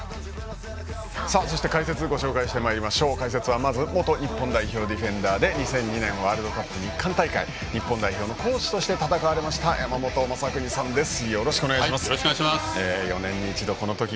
そして解説はまず元日本代表ディフェンダーで２００２年ワールドカップ日韓大会日本代表のコーチとして戦われた山本昌邦さんです。